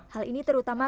hal ini terutama